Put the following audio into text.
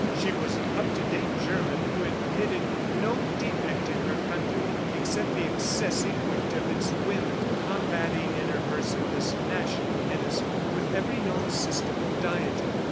She was an up to date German who admitted no defect in her country except the excessive weight of its women, combating in her person this national menace with every known system of dieting.